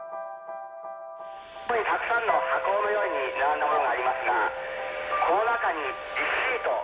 「ここにたくさんの箱のように並んだものがありますがこの中にシート」。